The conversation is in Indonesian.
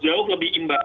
jauh lebih imbas